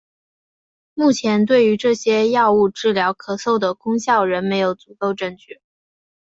目前对于这些药物治疗咳嗽的功效仍没有足够证据。